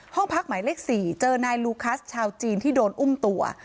ห้องพักหมายเลข๔เจอนายลูคัสชาวจีนที่โดนอุ้มตัว